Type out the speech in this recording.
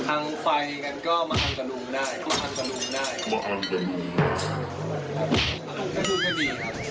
อังฟัยก็มาอังกระลุงได้